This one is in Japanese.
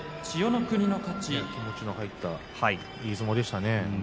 気持ちの入ったいい相撲でしたね。